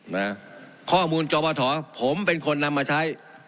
นะข้อมูลจอปฐผมเป็นคนนำมาใช้